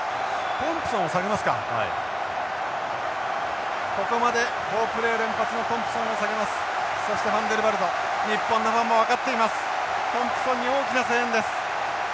トンプソンに大きな声援です。